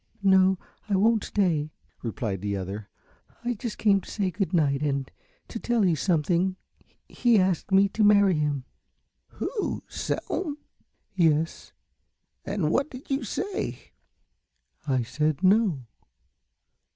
"No, I won't stay," replied the other, "I just came to say good night and tell you something He asked me to marry him." "Who Selm?" "Yes." "And what did you say?" "I said 'No.'"